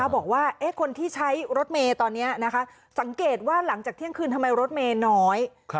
บอกว่าคนที่ใช้รถเมย์ตอนนี้สังเกตว่าหลังจากเที่ยงคืนทำไมรถเมย์น้อย